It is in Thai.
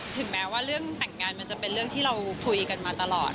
ถึงแม้ว่าเรื่องแต่งงานมันจะเป็นเรื่องที่เราคุยกันมาตลอด